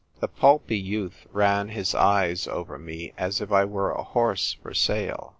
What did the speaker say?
The pulpy youth ran his eyes over me as if I were a horse for sale.